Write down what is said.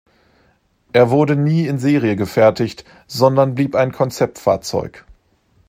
Er wurde nie in Serie gefertigt, sondern blieb ein Konzeptfahrzeug.